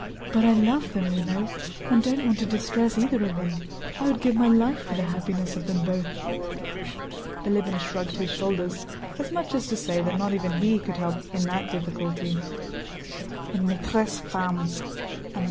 "But I love them, you know, and don't want to distress either of them. I would give my life for the happiness of them both." Bilíbin shrugged his shoulders, as much as to say that not even he could help in that difficulty. "Une maîtresse femme!